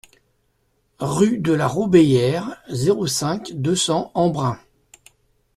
Rue de la Robéyère, zéro cinq, deux cents Embrun